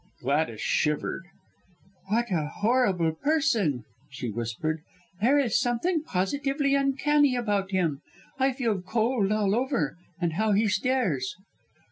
Gladys shivered. "What a horrible person!" she whispered, "there is something positively uncanny about him. I feel cold all over and how he stares!"